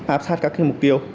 áp sát các mục tiêu